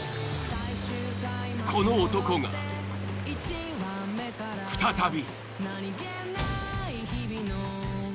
この男が再び。